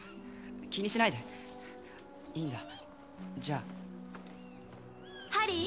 気にしないでいいんだじゃあハリー！